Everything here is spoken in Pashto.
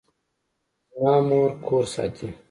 زما مور کور ساتي